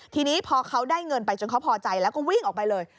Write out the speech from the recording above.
ทีนี้พอเขาได้เงินไปจนเขาพอใจแล้วก็วิ่งออกไปเลย